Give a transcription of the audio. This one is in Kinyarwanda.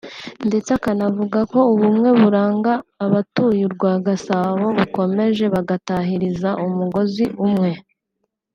ndetse akanavuga ko ubumwe buranga abatuye u Rwagasabo bukomeje bagatahiriza umugozi umwe